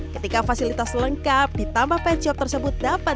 ketika fasilitas lengkap ditambah pet shop tersebut dapat dilengkapi